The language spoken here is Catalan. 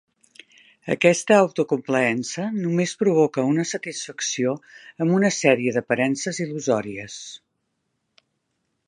Aquesta autocomplaença només provoca una satisfacció amb una sèrie d'aparences il·lusòries.